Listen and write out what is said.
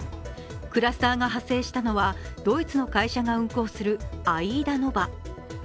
クラスターが発生したのはドイツの会社が運航する「アイーダ・ノヴァ」。